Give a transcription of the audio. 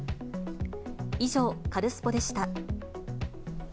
以上、カルスポっ！でした。